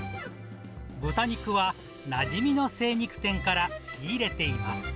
豚肉はなじみの精肉店から仕入れています。